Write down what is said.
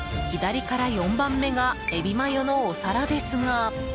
左から４番目がエビマヨのお皿ですが。